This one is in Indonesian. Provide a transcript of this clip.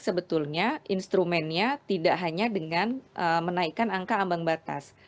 sebetulnya instrumennya tidak hanya dengan menaikkan angka ambang batas